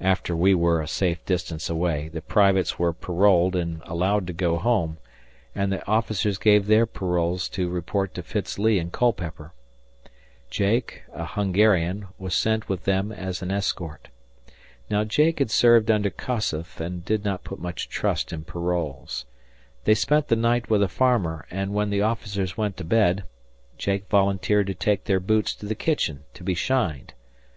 After we were a safe distance away, the privates were paroled and allowed to go home, and the officers gave their paroles to report to Fitz Lee in Culpeper. Jake, a Hungarian, was sent with them as an escort. Now Jake had served under Kossuth and did not put much trust in paroles. They spent the night with a farmer and, when the officers went to bed, Jake volunteered to take their boots to the kitchen to be shined.